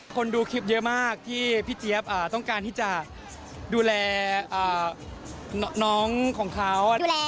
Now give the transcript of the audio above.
คนดูคลิปเยอะมากที่พี่เจี๊ยบต้องการที่จะดูแลน้องของเขา